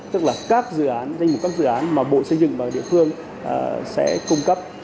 tức là các dự án danh mục các dự án mà bộ xây dựng và địa phương sẽ cung cấp